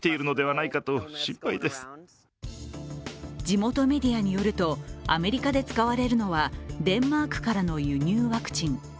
地元メディアによると、アメリカで使われるのはデンマークからの輸入ワクチン。